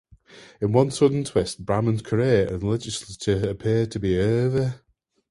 In one sudden twist, Braham's career in the legislature appeared to be over.